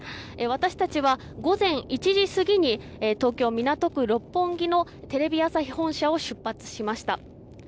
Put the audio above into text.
私たちは午前１時過ぎに東京・港区六本木のテレビ朝日本社を出発しました。